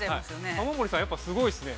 ◆玉森さん、やっぱりすごいですね。